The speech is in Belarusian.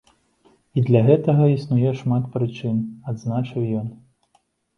І для гэтага існуе шмат прычын, адзначыў ён.